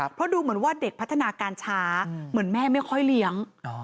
เพราะดูเหมือนว่าเด็กพัฒนาการช้าเหมือนแม่ไม่ค่อยเลี้ยง